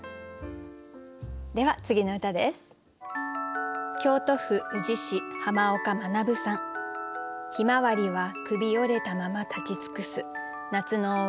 では次の歌です。